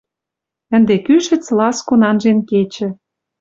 Ӹнде кӱшӹц ласкон анжен кечӹ.